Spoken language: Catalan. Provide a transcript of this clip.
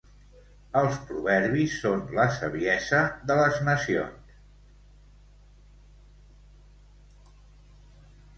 Els proverbis són la saviesa de les nacions.